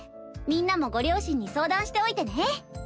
みんなもご両親に相談しておいてね。